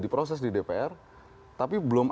diproses di dpr tapi belum